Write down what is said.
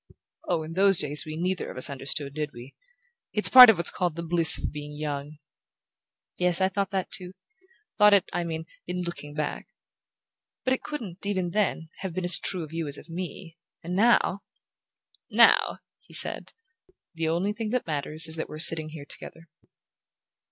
"Oh, in those days we neither of us understood, did we? It's part of what's called the bliss of being young." "Yes, I thought that, too: thought it, I mean, in looking back. But it couldn't, even then, have been as true of you as of me; and now " "Now," he said, "the only thing that matters is that we're sitting here together."